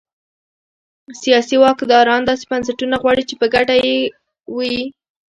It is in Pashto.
سیاسي واکداران داسې بنسټونه غواړي چې په ګټه یې وي.